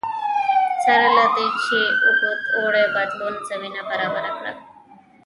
سره له دې چې اوږد اوړي بدلون زمینه برابره کړه